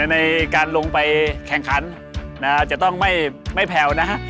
ในการลงไปแข่งขันจะต้องไม่แผ่วนะฮะ